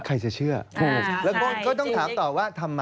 ต้องเฉ่าห้องคุยกัน